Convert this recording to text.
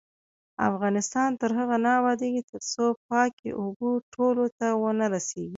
افغانستان تر هغو نه ابادیږي، ترڅو پاکې اوبه ټولو ته ونه رسیږي.